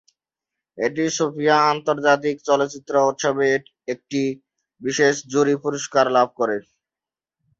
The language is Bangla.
এটি সোফিয়া আন্তর্জাতিক চলচ্চিত্র উৎসবে একটি বিশেষ জুরি পুরস্কার লাভ করে।